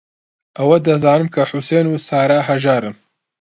ئەوە دەزانم کە حوسێن و سارا ھەژارن.